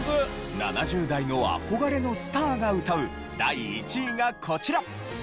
７０代の憧れのスターが歌う第１位がこちら！